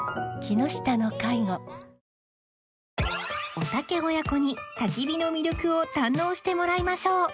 おたけ親子に焚き火の魅力を堪能してもらいましょう